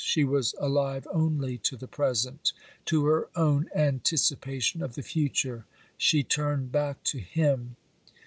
She was alive only to the present, to her own anticipation of the future. She turned back to him.